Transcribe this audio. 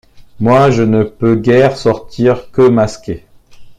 Moi, je ne peux guère sortir que masqué.